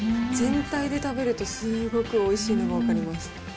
全体で食べるとすごくおいしいのが分かります。